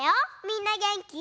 みんなげんき？